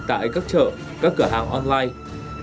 tại các chợ các cửa hàng online